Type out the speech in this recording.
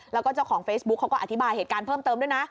แล้วก็เจ้าของเฟซบุ๊กเขาก็อธิบายเหตุการณ์เพิ่มเติมด้วยนะ